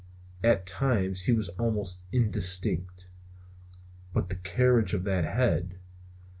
At times he was almost indistinct. But the carriage of that head!